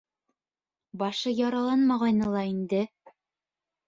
Башы яраланмағайны ла инде...